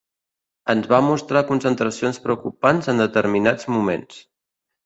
Ens va mostrar concentracions preocupants en determinats moments.